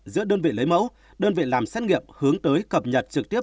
giữa đơn vị lấy mẫu đơn vị làm xét nghiệm hướng tới cập nhật trực tiếp